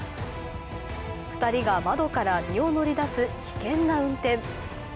２人が窓から身を乗り出す危険な運転。